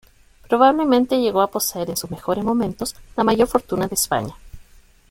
Probablemente llegó a poseer, en sus mejores momentos, la mayor fortuna de España.